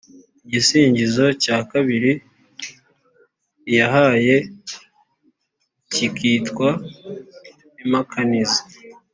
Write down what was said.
igisingizo cya kabiri ayihaye kikitwa impakanizi,